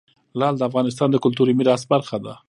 لعل د افغانستان د کلتوري میراث برخه ده.